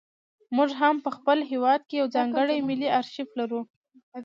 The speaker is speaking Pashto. موږ هم په خپل هېواد کې یو ځانګړی ملي ارشیف لرو.